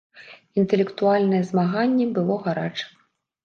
Інтэлектуальнае змаганне было гарачым.